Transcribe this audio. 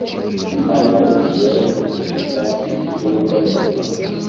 hano inyenzi zifata nimugoroba;